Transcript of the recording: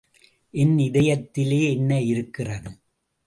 என் இதயத்திலே என்ன இருக்கிறது?